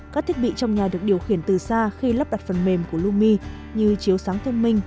các thiết bị trong nhà được điều khiển từ xa khi lắp đặt phần mềm của lumi như chiếu sáng thông minh